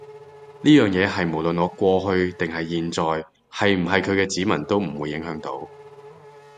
呢樣嘢係無論我過去定係現在係唔係佢嘅子民都唔會影響到